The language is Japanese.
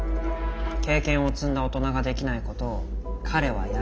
経験を積んだ大人ができないことを彼はやろうとしてる。